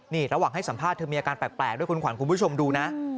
นี่ระหว่างให้สัมภาษณ์เธอมีอาการแปลกด้วยคุณขวัญคุณผู้ชมดูนะ